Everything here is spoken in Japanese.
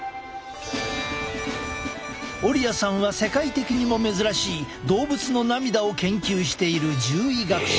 オリアさんは世界的にも珍しい動物の涙を研究している獣医学者。